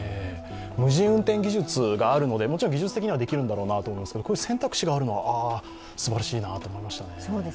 無人運転技術があるので、もちろん技術的にはできるんだろうなと思うんですけど、選択肢があるのは、すばらしいなと思いましたね。